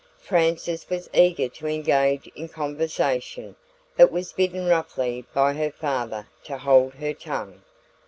Frances was eager to engage in conversation, but was bidden roughly by her father to hold her tongue.